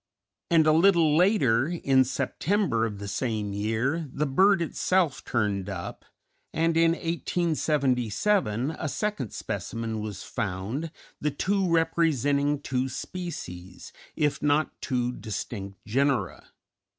And a little later, in September of the same year, the bird itself turned up, and in 1877 a second specimen was found, the two representing two species, if not two distinct genera.